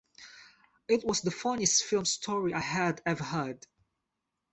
It was the funniest film story I had ever heard.